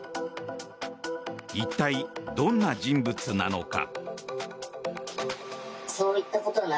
一体、どんな人物なのか。